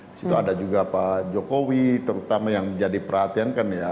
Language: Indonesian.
di situ ada juga pak jokowi terutama yang jadi perhatian kan ya